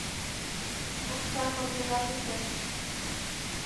Окса калтажат укес.